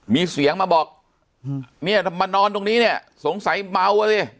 มีเสียงมาบอกเนี่ยมานอนตรงนี้เนี่ยสงสัยเมาอ่ะดิ